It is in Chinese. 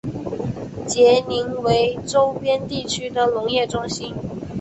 杰宁为周边地区的农业中心。